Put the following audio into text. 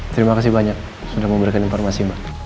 terima kasih banyak sudah memberikan informasi mbak